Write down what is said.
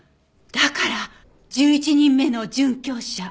だから「１１人目の殉教者」！